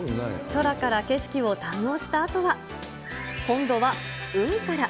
空から景色を堪能したあとは、今度は海から。